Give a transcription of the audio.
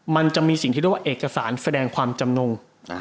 มันจะมีสิ่งที่เรียกว่าเอกสารแสดงความจำนง